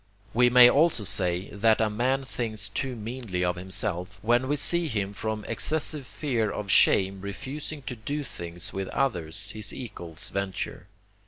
We may also say, that a man thinks too meanly of himself, when we see him from excessive fear of shame refusing to do things which others, his equals, venture.